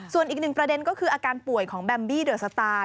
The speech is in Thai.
ส่วนอีกหนึ่งประเด็นก็คืออาการป่วยของแบมบี้เดอร์สตาร์